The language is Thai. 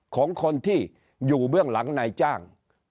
ของคนที่อยู่เบื้องหลังนายจ้าง